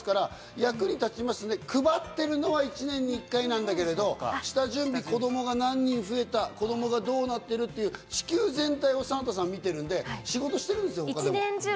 役に立ちますね、配ってるのは１年に１回なんだけど、下準備、子供が何人増えた、子供がどうなってるっていう地球全体をサンタさんは見てるんで、仕事してるんですよ。